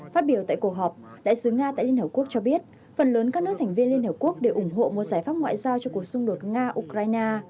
phát biểu tại cuộc họp đại sứ nga tại liên hợp quốc cho biết phần lớn các nước thành viên liên hợp quốc đều ủng hộ một giải pháp ngoại giao cho cuộc xung đột nga ukraine